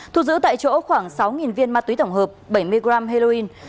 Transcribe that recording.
thu giữ tại chỗ khoảng sáu viên ma túy tổng hợp bảy mươi gram heroin